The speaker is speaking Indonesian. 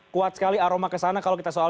kuat sekali aroma kesana kalau kita soal